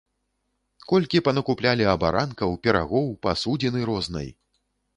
Колькі панакуплялі абаранкаў, пірагоў, пасудзіны рознай.